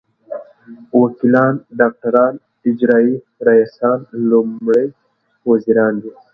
وکیلان ډاکټران اجرايي رییسان لومړي وزیران دي.